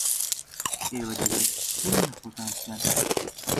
ئێوە دەبێت شەرم لە خۆتان بکەن.